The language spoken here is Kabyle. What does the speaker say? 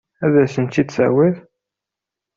Ad asen-ten-id-tawiḍ?